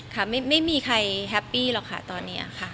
ค่ะไม่มีใครแฮปปี้หรอกค่ะตอนนี้ค่ะ